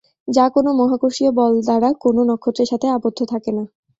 যা কোন মহাকর্ষীয় বল দ্বারা কোন নক্ষত্রের সাথে আবদ্ধ থাকে না।